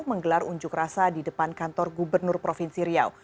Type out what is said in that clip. menggelar unjuk rasa di depan kantor gubernur provinsi riau